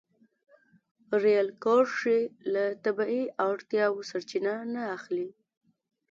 رېل کرښې له طبیعي اړتیاوو سرچینه نه اخلي.